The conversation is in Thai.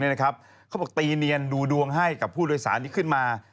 ที่ตีเนียนดูดวงให้กับผู้โดยสารตั้งเนียนขึ้นมา